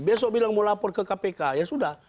besok bilang mau lapor ke kpk ya sudah